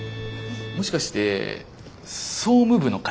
もしかして総務部の方？